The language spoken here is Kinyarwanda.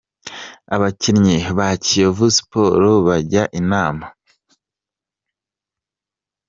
Abakinnyi ba Kiyovu Sport bajya inama .